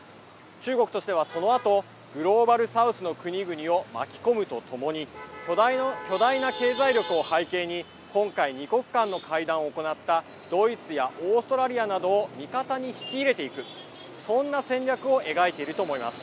中国としては、そのあとグローバルサウスの国々を巻き込むとともに巨大な経済力を背景に今回２国間の会談を行ったドイツやオーストラリアなどを味方に引き入れていくそんな戦略を描いていると思います。